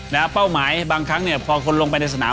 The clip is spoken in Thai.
แล้วเป้าหมายบางครั้งเนี่ยพอคนลงไปในสนาม